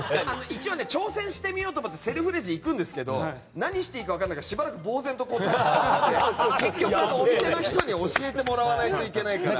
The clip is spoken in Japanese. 一応、挑戦してみようと思ってセルフレジ行くんですけど何していいか分からなくてしばらくぼうぜんと立ち尽くして結局、お店の人に教えてもらわないといけないから。